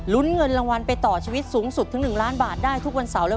เงินรางวัลไปต่อชีวิตสูงสุดถึง๑ล้านบาทได้ทุกวันเสาร์เลย